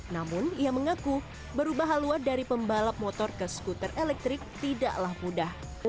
namun ia mengaku berubah halua dari pembalap motor ke skuter elektrik tidaklah mudah